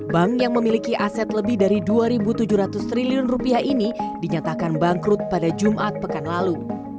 bank yang memiliki aset lebih dari dua tujuh ratus triliun rupiah ini dinyatakan bangkrut pada jumat pekan lalu